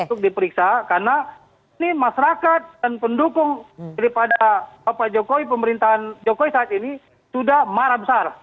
untuk diperiksa karena ini masyarakat dan pendukung daripada bapak jokowi pemerintahan jokowi saat ini sudah marah besar